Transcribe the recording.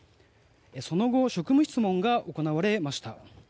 その後職務質問が行われました。